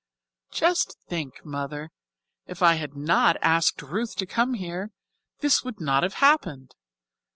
"Just think, Mother, if I had not asked Ruth to come here, this would not have happened.